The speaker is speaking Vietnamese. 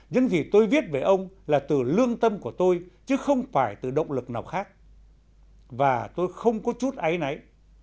những gì tôi viết về ông là từ lương tâm của tôi chứ không phải từ động lực nào khác và tôi không có chút ái náy